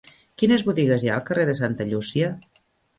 Quines botigues hi ha al carrer de Santa Llúcia?